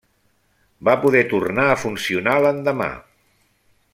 Va poder tornar a funcionar l'endemà.